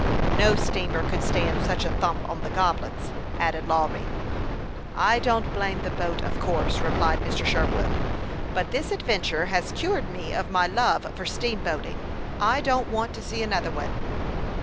" No steamer could stand such a thump on the Goblins," added Lawry. " I don't blame the boat, of course," replied Mr. Sherwood ;" but this adventure has cured me of my love for steamboating. I don't want to see another one."